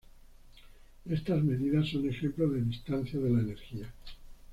Estas medidas son ejemplos de distancias de la energía.